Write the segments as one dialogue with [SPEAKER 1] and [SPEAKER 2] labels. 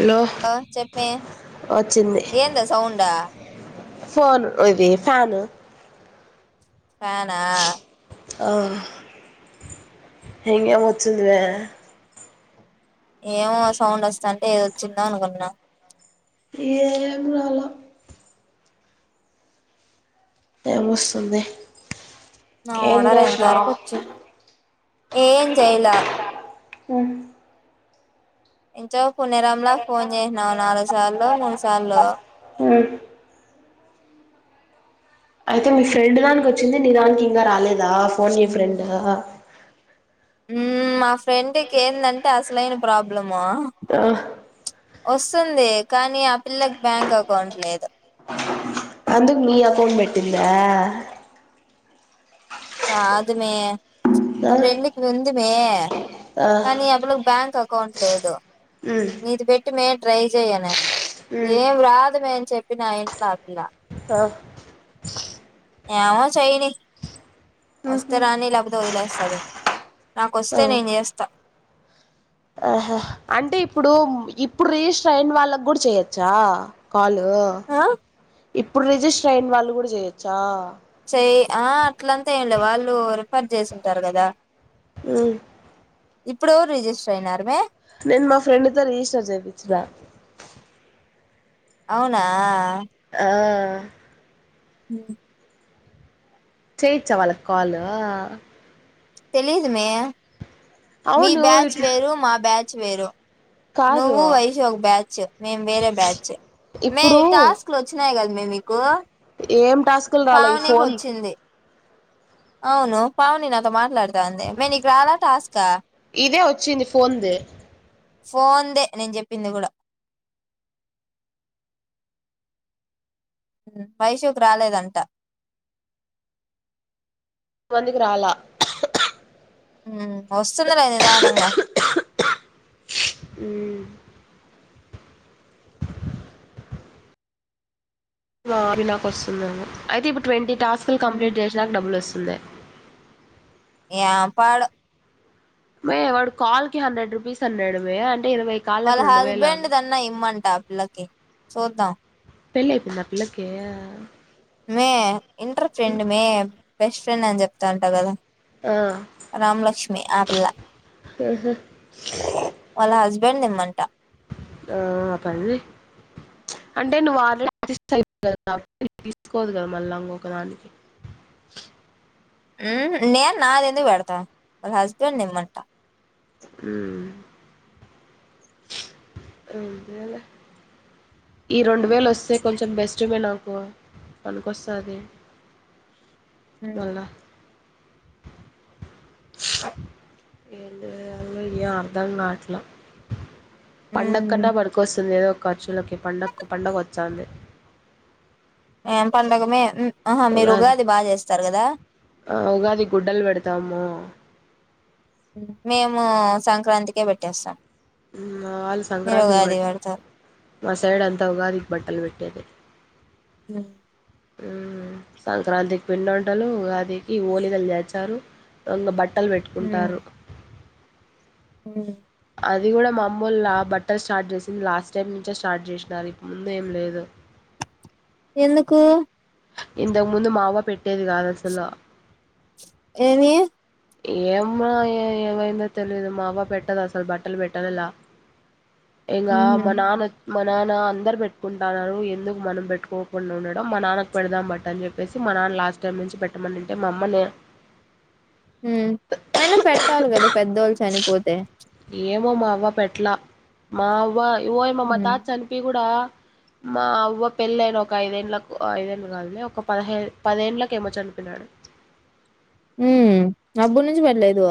[SPEAKER 1] Hello
[SPEAKER 2] ఆ చెప్పవే
[SPEAKER 1] వచ్చింది
[SPEAKER 2] ఎందా సౌండా
[SPEAKER 1] ఫోన్ ఇది ఫ్యాను
[SPEAKER 2] ఫ్యానా
[SPEAKER 1] ఆ ఇంగెం వచ్చిందిలే
[SPEAKER 2] ఏమో సౌండ్ వస్తాంటే ఏది వచ్చిందో అనుకున్న
[SPEAKER 1] ఏం రాలా టైం మస్తుంది
[SPEAKER 2] నా ఆర్డర్ ఎంత వరకు వచ్చింది ఏం చేయలా
[SPEAKER 1] ఉమ్
[SPEAKER 2] ఇంచో పునేరాంల ఫోన్ చేసినావ్ నాలుగు సార్లో మూడు సార్లో
[SPEAKER 1] ఉ అయితే మీ ఫ్రెండ్ దానికి వచ్చింది నీదానికి ఇంకా రాలేదా ఫోన్ ఏ ఫ్రెండ్
[SPEAKER 2] ఉమ్ మా ఫ్రెండ్కెందంటే అసలైన ప్రాబ్లము
[SPEAKER 1] ఆహ్
[SPEAKER 2] ఒస్తుంది కానీ ఆ పిల్లకి బ్యాంక్ అకౌంట్ లేదు
[SPEAKER 1] అందుకు నీ అకౌంట్ పెట్టిందా
[SPEAKER 2] కాదుమే మా
[SPEAKER 1] ఆ
[SPEAKER 2] ఫ్రెండ్క్ దిమే కానీ అ పిల్లక్ బ్యాంక్ అక్ కౌంట్ లేదు
[SPEAKER 1] ఉ
[SPEAKER 2] మేము ట్రై చెయనే ఏం రాదు మే అని చెప్పిన నా ఎట్లోగో
[SPEAKER 1] ఆ
[SPEAKER 2] ఏమో చెయని వస్తే
[SPEAKER 1] ఉహు
[SPEAKER 2] రాని లేకపోతే వదిలేస్తది
[SPEAKER 1] ఆ
[SPEAKER 2] నాకొస్తే నేన్ చేస్తా
[SPEAKER 1] ఆహా అంటే ఇప్పుడు ఇప్పుడు రిజిస్టర్ అయిన వాళ్ళకి కూడా చెయొచ్చా కాల్ హ్
[SPEAKER 2] ఆ
[SPEAKER 1] ఇప్పుడు రిజిస్ ట్రైన్ వాళ్ళు కూడ చేయొచ్చా
[SPEAKER 2] చెయ ఆ అట్లంతా ఏంలె వాళ్ళు రిఫర్ చేసుంటారు కదా
[SPEAKER 1] ఉ
[SPEAKER 2] ఇప్పుడు ఎవరు రిజిస్టర్ అయినరుమే
[SPEAKER 1] నేను మా ఫ్రెండ్తో రిజిస్టర్ చేపించిన
[SPEAKER 2] అవునా
[SPEAKER 1] ఆ
[SPEAKER 2] హుమ్
[SPEAKER 1] చెయిచ్చా వాళ్ళకి కాలు
[SPEAKER 2] తెలీదుమే మీ
[SPEAKER 1] అవును
[SPEAKER 2] బ్యాచ్
[SPEAKER 1] ఇట్లా
[SPEAKER 2] వేరు మా బ్యాచ్ వేరూ
[SPEAKER 1] కాదు
[SPEAKER 2] నువ్వు వైశు ఒక బ్యాచ్ మేం వేరే బ్యాచ్ మే
[SPEAKER 1] ఇప్పుడు
[SPEAKER 2] టాస్క్లు వచ్చినాయి కదా [unintelligible]
[SPEAKER 1] ఏం టాస్కులు రాలే ఈ
[SPEAKER 2] పావనికి
[SPEAKER 1] ఫోన్
[SPEAKER 2] వచ్చింది అవును పావని నాతో మాట్లాడుత్తాంది మే నీకు రాలా టాస్కా
[SPEAKER 1] ఇదే వచ్చింది ఫోన్ది
[SPEAKER 2] ఫోన్ దే నేను చెప్పింది కూడా వైషూ రాలేదంట
[SPEAKER 1] వందికు రాలా
[SPEAKER 2] వస్తుందిలే నిదానంగా
[SPEAKER 1] అ నాకు వస్తుంది ఏమో అయితే ఇప్పుడు ట్వంటీ టాస్కులు కంప్లీట్ చేసిన డబ్బులు ఓస్తుంది దే
[SPEAKER 2] ఎంపాడో
[SPEAKER 1] మే వాడు కాల్ కి హండ్రెడ్ రుపీస్ అన్నాడు మే ఇరవై
[SPEAKER 2] వాళ్ళ
[SPEAKER 1] కాళ్ళకు రెండు
[SPEAKER 2] హస్బెండ్
[SPEAKER 1] వేలు
[SPEAKER 2] దన్న ఇమ్మంట పిల్లకి చూద్దాం
[SPEAKER 1] పెళ్లయిపోయింద పిల్లకి
[SPEAKER 2] మే ఇంటర్ ఫ్రెండ్ మే బెస్ట్ ఫ్రెండ్ అని చెప్తాంట కదా
[SPEAKER 1] ఆ
[SPEAKER 2] రామలక్ష్మి ఆ పిల్ల వాళ్ళ హస్ పెన్ ఈమంట
[SPEAKER 1] ఆ పనీచే అంటే నువ్వు [unintelligible] కదా తీసుకోదు కదా మళ్ళాంకొకదానికి
[SPEAKER 2] నేను నాది ఎందుకు పెడతా వల్ల హస్బెండ్ నిమ్మంటా
[SPEAKER 1] ఉ రెండు వేల ఈ రెండు వేలు వస్తే కొంచెం బెస్ట్మే నాకు పనికొస్థాది వెన్నా ఏం చేయాలో ఏం అర్థంకాట్లే పండకన్నా పడుకొస్తుంది ఏదో ఖర్చులకి పండకు పండగ వస్చంది
[SPEAKER 2] ఏం పండగ మే ఆహా మీరు
[SPEAKER 1] ఉగాది
[SPEAKER 2] బాగా చేస్తారు కదా
[SPEAKER 1] ఉగాది గుడ్డలు పెడతాము
[SPEAKER 2] మేము సంక్రాంతిికే పెట్టేస్తా
[SPEAKER 1] మా వాళ్ళు సంక్రాంతికి బెట్టరు
[SPEAKER 2] పెడతారు
[SPEAKER 1] మా సైడ్ అంతా ఉగాదికి బట్టలు పెట్టేది
[SPEAKER 2] అ
[SPEAKER 1] సంక్రాంతికి పిండి వంటలు ఉగాదికి ఓలీదలు చేర్చారు దంగ బట్ట తక్కలు పెట్టుకుంటారు
[SPEAKER 2] హు
[SPEAKER 1] అది కూడా మా అమ్మోళ్లు బట్టర్ స్టార్ట్ చేసింది లాస్ట్ టైం నుంచే స్టార్ట్ చేసినారు ఇంతక ముందు ఏం లేదు
[SPEAKER 2] ఎందుకు
[SPEAKER 1] ఇంతకు ముందు మా అవ్వ పెట్టేది కాదాసలు
[SPEAKER 2] ఏమి
[SPEAKER 1] ఏమ్మా ఏ ఏమైందో తెలియదు మా అవ్వ పెట్టదు అసలు బట్టలు పెట్టదెళ్ల యంగా మా‌ నాన్న మా నాన్న అందరు పెట్టుకుంటన్నారు ఎందుకు మనం పెట్టుకోకుండా ఉండడం మా నాన్న పెడదాం బట్ అని చెప్పేసి మా నాన్న లాస్ట్ టైమ్ నుంచి పెట్ట మంటుంటే మా అమ్మనే
[SPEAKER 2] ఉ అయినా పెట్టాలి కదా పెద్దోళ్ళు చనిపోతే
[SPEAKER 1] ఏమో మా అవ్వ పెట్లా మా అవ్వ వోయమ్మ
[SPEAKER 2] హ్మ్
[SPEAKER 1] మాతాత చనిపి కూడా మా అవ్వ పెళ్ళయిన ఒక ఐదేండ్లకు ఐదేళ్ళు కాదులే ఒక పదిహే పదేండ్లలకేమో చనిపోయినాడు.
[SPEAKER 2] ఉ అబ్బు నుంచి పట్టలేదువ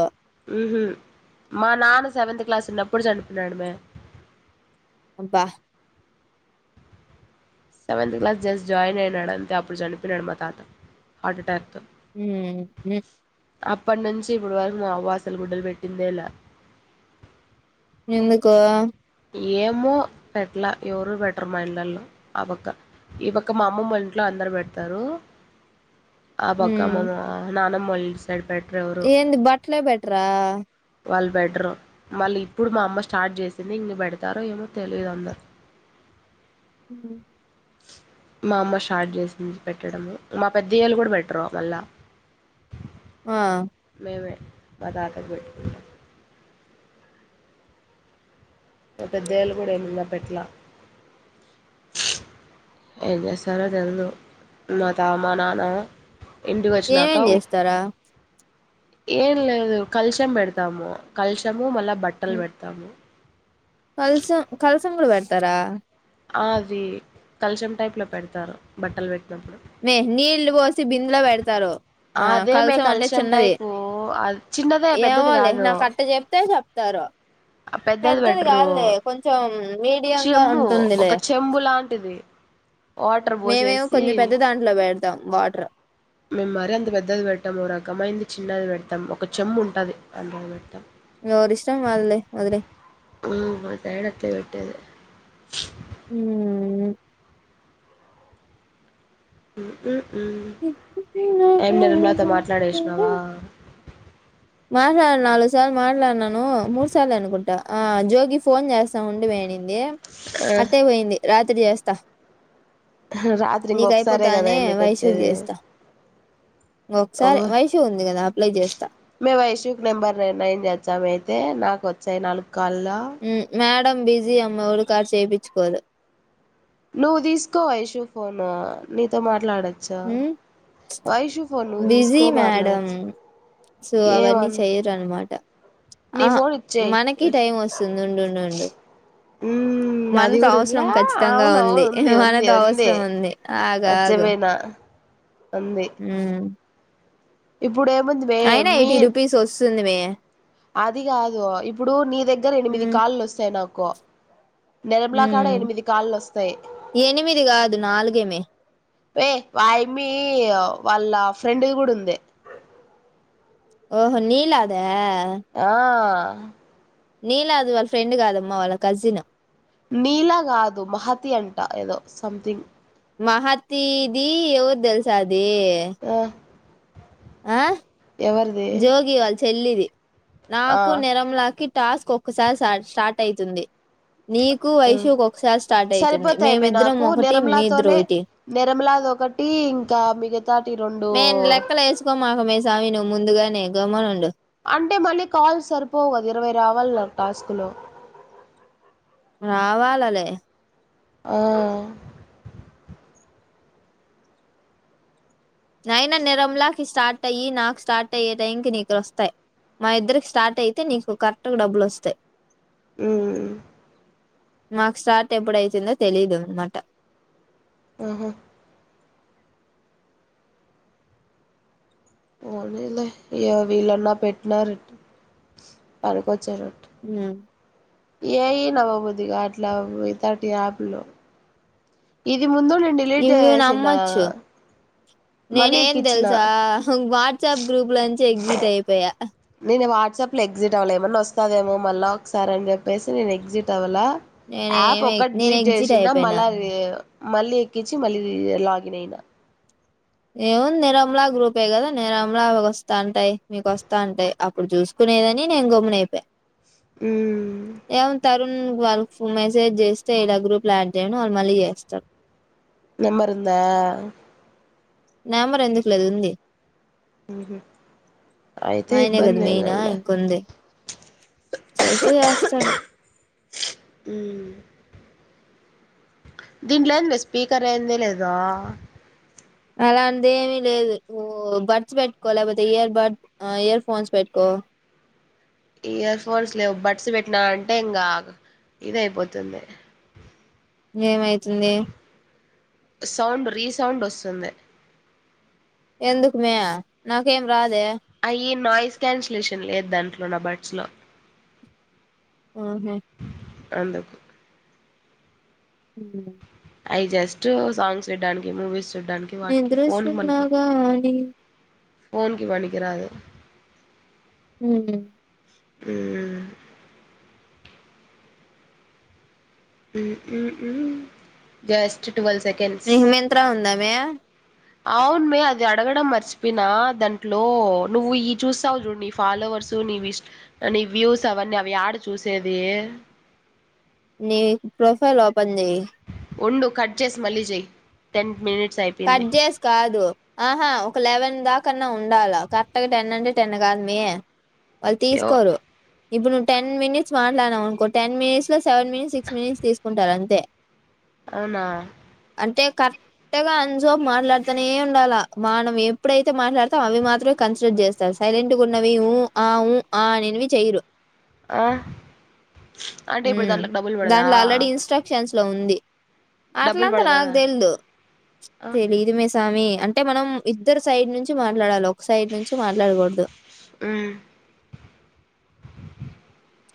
[SPEAKER 1] ఉహుమ్ మా నాన్న సెవెంత్ క్లాస్ ఉన్నప్పుడు చనిపినడమే
[SPEAKER 2] అబ్బా
[SPEAKER 1] సెవెంత్ క్లాస్ జస్ట్ జాయిన్ అయినాడు అంతే అప్పుడు చనిపోనాడు మా తాత హార్ట్ ఎటాక్ తో
[SPEAKER 2] హూ
[SPEAKER 1] అప్పటి నుంచి ఇప్పుడు వరకు మా అవ్వ అసలు గుడ్డలు పెట్టిందేలా
[SPEAKER 2] ఎందుకూ
[SPEAKER 1] ఏమో పెట్లా ఎవరు పెట్టరు మా ఇళ్లల్లో ఆ పక్క ఈ పక్క మా అమ్మమ్మళ్ళింట్లో అందరు పెడతారు. ఆ పక్క
[SPEAKER 2] హ్మ్
[SPEAKER 1] అమమ్మ నానమ్ [unintelligible] సైడ్ పేట్
[SPEAKER 2] ఏంది బట్లే పెట్రా
[SPEAKER 1] పెట్రు మళ్ళీ ఇప్పుడు మా అమ్మ స్టార్ట్ చేసి ఇన్నీ పెడతారో ఏమో తెలియదు అందరు
[SPEAKER 2] హు
[SPEAKER 1] మా అమ్మ స్టార్ట్ చేసింది పెట్టడము మా పెద్దయ్యళ్ళు కూడా బెటరు మళ్ళా
[SPEAKER 2] ఆ
[SPEAKER 1] [unintelligible] మా పెద్దయ్యవాళ్ళు కూడా ఏం ఇంగ పెట్లా ఏం చేస్తారో తెలుదు మా తాత నాన్న ఏమో
[SPEAKER 2] ఎం ఎం చేస్తారు
[SPEAKER 1] ఏం లేదు కలశము పెడతాము కల్శము మళ్ళా బట్టల్ పెడతాము
[SPEAKER 2] కలసం కల్స్ కలశం కూడ పెడతారా
[SPEAKER 1] ఆ అది కల్షం టైప్ లో పెడతారు బట్టలు పెట్టి
[SPEAKER 2] మే నీళ్లు పోసి బిందులో పెడతారు ఆ
[SPEAKER 1] అదే మే
[SPEAKER 2] కలసం అంటే
[SPEAKER 1] కల్షం
[SPEAKER 2] చిన్నది
[SPEAKER 1] టైపు అది చిన్నదే
[SPEAKER 2] ఏమో
[SPEAKER 1] పెద్దది
[SPEAKER 2] లే
[SPEAKER 1] కాదు
[SPEAKER 2] నాకట్ట చెప్తే చెప్తారు పెద్దది కాదులే కొంచెం మీడియంగా
[SPEAKER 1] చెంబు ఒక
[SPEAKER 2] ఉంటుందిలే
[SPEAKER 1] చెంబు లాంటిది వా
[SPEAKER 2] మేమేమో కొంచెం పెద్ద దాంట్లో పెడతాం వాట్రు
[SPEAKER 1] మేము మరి అంత పెద్దది పెడతాం రకమయింది చిన్నది పెడతాం ఒక చెమ్ము ఉంటది అండది పెడతాం
[SPEAKER 2] ఇవరిష్టం వాళ్లది లే వదిలేయ్
[SPEAKER 1] మ్మ్ మా సైడ్ అట్లే పెట్టేది
[SPEAKER 2] హు
[SPEAKER 1] ఏం నిర్మలాతో మాట్లాడేసినావా
[SPEAKER 2] మాట్లాడ నాలుగు సార్లు మాట్లాడినను మూడు సార్లు అనుకుంటా ఆ జోగి ఫోన్ చేస్త ఉండు మే అని ఎమ్ ఆటే పోయింది రాత్ చేస్త
[SPEAKER 1] రాత్రి
[SPEAKER 2] నీక
[SPEAKER 1] ఇంకొకసారే కదా
[SPEAKER 2] అయిపోతానే
[SPEAKER 1] మీకు
[SPEAKER 2] వైషు కి
[SPEAKER 1] వచ్చేది
[SPEAKER 2] చేస్త ఇంకొక్సారి వైషూ ఉంది కదా ఆపిల్ల కి చేస్త
[SPEAKER 1] మేము వైశూక్ నెంబర్ నైన్ చేచ్చాం అయితే నాకు వచ్చాయి నాలుగు కళ్ళ
[SPEAKER 2] మేడం బిజీ అమ్మ ఉ కాడ చెపిచుకోదు
[SPEAKER 1] నువ్వు తీసుకో వైషు ఫోన్ నీతో మాట్లాడ నువ్వు
[SPEAKER 2] బిజీ
[SPEAKER 1] తీసుకో
[SPEAKER 2] మేడం
[SPEAKER 1] మాట్లాడొచ్చు
[SPEAKER 2] సో అవన్నీ
[SPEAKER 1] ఏమంత
[SPEAKER 2] చెయరున్మాట
[SPEAKER 1] నీ
[SPEAKER 2] ఆ
[SPEAKER 1] ఫోన్ ఇచ్చేయి
[SPEAKER 2] మనకి టైం వస్తుంది ఉండుండుండు
[SPEAKER 1] మ్మ్ అది
[SPEAKER 2] మనతో
[SPEAKER 1] కూడా ఉందిలా
[SPEAKER 2] అవసరం ఖచ్చితంగా
[SPEAKER 1] అవును అవును
[SPEAKER 2] ఉంది
[SPEAKER 1] ఉంది
[SPEAKER 2] మనతో అవసరం ఉంది ఆగ్ ఆగ్
[SPEAKER 1] మర్చిపోయినా ఉంది
[SPEAKER 2] హుమ్
[SPEAKER 1] ఇప్పుడేముంది వే మీ
[SPEAKER 2] దుంది మే
[SPEAKER 1] అది గాదు ఇప్పుడు నీ దగ్గర ఎనిమిది కాళ్లు ఒస్తాయి నాక్ కు
[SPEAKER 2] ఉ ఎనిమిది గాదు నాలుగేమే
[SPEAKER 1] వయ్ వాయమ్మి వాళ్ళ ఫ్రెండ్ గుడా ఉంది
[SPEAKER 2] ఓహో నిలాదా
[SPEAKER 1] ఆ హా
[SPEAKER 2] నీలాదు వాళ్ళ ఫ్రెండ్ గాదమ్మ వాళ్ళ కజిన్
[SPEAKER 1] నీలా గాదు మహతి అంట ఏదో సమ్థింగ్
[SPEAKER 2] మహతిది ఎవర్ తెల్సా అద్ దే
[SPEAKER 1] ఎవర్ది
[SPEAKER 2] జోగి వాళ్ళ చెల్లిది నాకు నిరంలాకి టాస్క్ ఒక్కసారి స్టార్ట్ ఐతుంది
[SPEAKER 1] అ
[SPEAKER 2] అయితుంది
[SPEAKER 1] సరిపోతాయమే
[SPEAKER 2] మేమిద్దరం
[SPEAKER 1] నాకు
[SPEAKER 2] ఒకటి మీద్దరు
[SPEAKER 1] నిర్మలాతోనే
[SPEAKER 2] ఒకటి
[SPEAKER 1] నిర్మలాది ఒకటి ఇంకా మిగతాది
[SPEAKER 2] మెయ్ లేక్కల ఎస్కో మాకు మే సామి నువు ముందుగ నే గమ్మునుండు
[SPEAKER 1] అంటే మళ్ళీ కాల్స్ సరిపోవు ఇరవై రావాలి నాకు టాస్క్లో
[SPEAKER 2] రావాలలే
[SPEAKER 1] ఆ
[SPEAKER 2] ఐనా నిరంలాకి స్టార్ట్ అయ్యి నాకు స్టార్ట్ అయ్యే టైంకి నీకు ఒస్తయి మా ఇద్దరికి స్టార్ట్ ఐతే నీకు కరెక్ట్గా డబ్బులు ఒస్తాయ్
[SPEAKER 1] ఉమ్
[SPEAKER 2] మాకు స్టార్ట్ ఎప్పుడైతుందో తెలీదు అన్మాట
[SPEAKER 1] ఉహు పోనీలే అ వీళ్ళన్నా పెట్నారూ పనికొచ్చా
[SPEAKER 2] హుమ్
[SPEAKER 1] ఏయి నమ్మబుద్దిగాట్లా యితట్టి యాప్లు ఇది ముందు నేను డిలీట్ చేసేసినా
[SPEAKER 2] నేనే ఏం తెల్సా వాట్సాప్ గ్రూప్ లోంచి ఎగ్జిట్ ఐపోయా
[SPEAKER 1] నేను వాట్సాప్లో ఎక్సిస్ట్ అవ్వలె ఏమన్నా ఒస్తాదేమో మళ్ళ ఒకసారి అని చెప్పేసి నేను ఎక్సిస్ట్ అవ్వలా యాప్
[SPEAKER 2] నేనేమి
[SPEAKER 1] ఒక్కటి
[SPEAKER 2] నేను
[SPEAKER 1] డ్లీట్
[SPEAKER 2] ఎగ్జిట్
[SPEAKER 1] చేశిన్నా
[SPEAKER 2] అయిపోయినా
[SPEAKER 1] మళ్ళా దీ మళ్ళీ ఎక్కిచ్చి మళ్ళీ లాగిన్ ఐనా
[SPEAKER 2] ఏముంది నిర్మలా గ్రూపే కదా నిర్మలా వస్తాంటాయి మీకు వస్తా అంటాయి అప్పుడు చూసుకునేదని నేను గమ్మున అయిపోయిన
[SPEAKER 1] మ్మ్
[SPEAKER 2] ఎవు త [unintelligible] వాళ్ళ మెసేజ్ చేస్తే ఇలా గ్రూపులు యాడ్ చేయడం వాళ్ళు మళ్ళీ చేస్తారు
[SPEAKER 1] నెంబర్ ఉందా
[SPEAKER 2] నెంబర్ ఎందుకు లేదు ఉంది
[SPEAKER 1] అయితే
[SPEAKER 2] ఆయనే కదా
[SPEAKER 1] ఇబ్బంది ఏం
[SPEAKER 2] మెయిను
[SPEAKER 1] లేదులే
[SPEAKER 2] ఇంకొంది చేస్తే చేస్తాడు
[SPEAKER 1] మ్మ్ దీంట్లో ఏం మే స్పీకర్ ఏంది లేదు
[SPEAKER 2] అలాంటి ఏమి లేదు బడ్స్ పెట్టుకో లేకపోతే ఇయర్ బడ్ ఇయర్ ఫోన్స్ పెట్టుకో
[SPEAKER 1] ఇయర్ ఫోన్స్ లేవు బట్స్ పెట్టినా అంటే ఇంకా ఇది అయిపోతుంది
[SPEAKER 2] ఏమైతుంది
[SPEAKER 1] సౌండ్ రీసౌండ్ వస్తుంది
[SPEAKER 2] ఎందుకుమే నాకేం రాదే
[SPEAKER 1] అయ్య నాయిస్ క్యాన్సలేషన్ లేదు నా బడ్స్ లో
[SPEAKER 2] ఆహా
[SPEAKER 1] అందుకు
[SPEAKER 2] హమ్
[SPEAKER 1] ఐ జస్ట్ సాంగ్స్ ఇయడానికి మూవీస్ చూడ్డానికి వాటికి ఫోన్కి
[SPEAKER 2] నిద్రొస్తుందా
[SPEAKER 1] మనకి
[SPEAKER 2] బాగా అని
[SPEAKER 1] ఫోన్కి పనికిరాదు
[SPEAKER 2] హ
[SPEAKER 1] ఆ జస్ట్ ట్వెల్వ్ సెకండ్స్
[SPEAKER 2] నీకు మింత్రా ఉందామ్యా
[SPEAKER 1] అవును మే అది అడగడం మర్చిపోయినా దాంట్లో నువ్వు ఈ చూస్తావు చూడు నీ ఫాలోవర్సు నీ నీ వ్యూస్ అవన్నీ అవి ఆడ చూసేది
[SPEAKER 2] నీ ప్రొఫైల్ ఓపెన్ చెయ్య
[SPEAKER 1] ఉండు కట్ చేసి మళ్ళీ చేయి టెన్ మినిట్
[SPEAKER 2] కట్జేస్ కాదు ఆహా ఒక లెవెన్ దాకాన్నా ఉండాలి కరెక్ట్గా టెన్ అంటే టెన్ కాదు మీ వాళ్ళు
[SPEAKER 1] యో
[SPEAKER 2] తీసుకోరు ఇప్పుడు నువ్ టెన్ మిట్స్ మాట్లాడనుకో టె మనిట్స్ లా సెవన్ మినిట్స్ సిక్స్ మిట్ తీసుకుంటారు అంతే
[SPEAKER 1] అవునా
[SPEAKER 2] అంటే కరెక్ట్ గా సోపు మాట్లాడుతూనే ఉండాల మనం ఎప్పుడైతే మాట్లాడతా అవి మాత్రమే కన్సిడర్ చేస్తారు సైలెంట్ గా ఉన్నవి ఊ ఆఊ ఆ అనేనివి చెయ్యరు
[SPEAKER 1] ఆ అంటే ఇప్పుడు
[SPEAKER 2] ఉమ్
[SPEAKER 1] దాంట్లోకి డబ్బులు పడదా
[SPEAKER 2] దాంట్లో ఆల్రెడీ ఇన్స్ట్రక్షన్స్ లో ఉంది
[SPEAKER 1] డబ్బులు
[SPEAKER 2] అట్లంతా
[SPEAKER 1] పడదా
[SPEAKER 2] నాకు
[SPEAKER 1] దాని
[SPEAKER 2] తెలిదు
[SPEAKER 1] ఆ
[SPEAKER 2] తేలేదు మే స్వామి అంటే మనం ఇద్దరు సైడ్ నుంచి మాట్లాడలో ఒక సైడ్ నుంచి మాట్లాడకూడదు
[SPEAKER 1] మ్మ్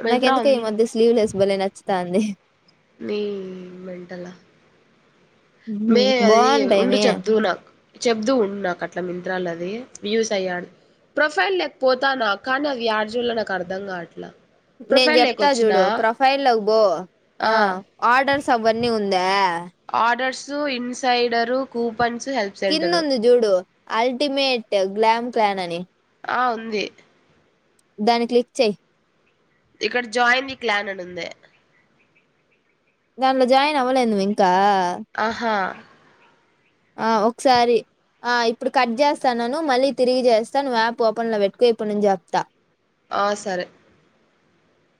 [SPEAKER 1] మింత్రా
[SPEAKER 2] నాకెందకో ఈ
[SPEAKER 1] ఉంది
[SPEAKER 2] మధ్య స్లీవ్లెస్ బలే నచ్చుతాంది
[SPEAKER 1] నీ మెంటాల
[SPEAKER 2] హ్మ్ బాగుంటాయి మే
[SPEAKER 1] చెబుదూవు ఉండు నాకు అట్లా మింత్రాల అది యూస్ అయ్యాను ప్రొఫైల్ లేకి పోతాను కానీ అది యాడచెయ్యాలొ నాకు అర్ధం కాట్లే
[SPEAKER 2] నేను చెప్తా చూడు ప్రొఫైల్ ల్లోకి బో ఆ ఆర్డర్స్ అవన్నీ ఉంద యా యా
[SPEAKER 1] ఆర్డర్స్ ఇన్సైడరు కూప్
[SPEAKER 2] కింద ఉంది జూడు అల్టిమేట్ గ్లామ్ ప్యాన్ అని
[SPEAKER 1] ఆ ఉంది
[SPEAKER 2] దాని క్లిక్ చేయ్
[SPEAKER 1] ఇక్కడ జాయిన్ ఈ క్లాన్ అని ఉంది
[SPEAKER 2] దాన్లో జాయిన్ అవ్వలేదు నువ్వు ఇంకా
[SPEAKER 1] ఆహా
[SPEAKER 2] ఆ ఒకసారి ఆ ఇప్పుడు కట్ చేస్తాన్నాను మళ్ళీ తిరిగి చేస్తా నువ్వు యాప్ ఓపెన్ లో పెట్టుకో ఇప్పుడు నిను చెప్తా
[SPEAKER 1] ఆ సరే